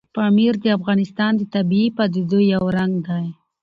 پامیر د افغانستان د طبیعي پدیدو یو رنګ دی.